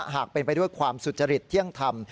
หากเป็นไปด้วยความสุจริตเที่ยงธรรม